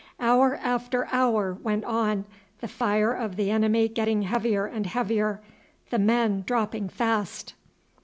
Hour after hour went on, the fire of the enemy getting heavier and heavier, the men dropping fast.